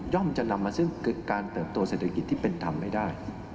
จะนำมาซึ่งการเติบโตเศรษฐกิจที่เป็นธรรมไม่ได้